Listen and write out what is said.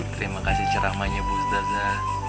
terima kasih ceramahnya bu ustaza